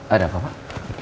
ada apa pak